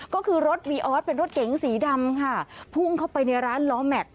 ก็คือรถวีออสเป็นรถเก๋งสีดำค่ะพุ่งเข้าไปในร้านล้อแม็กซ